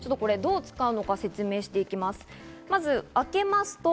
どう使うのか説明していきます。